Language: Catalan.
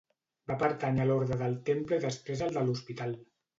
Va pertànyer a l'orde del Temple i després al de l'Hospital.